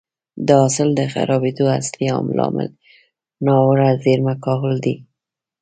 د حاصل د خرابېدو اصلي لامل ناوړه زېرمه کول دي